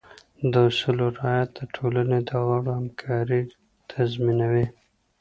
د اصولو رعایت د ټولنې د غړو همکارۍ تضمینوي.